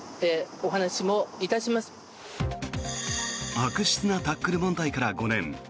悪質なタックル問題から５年。